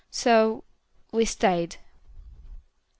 So we stayed." Mr.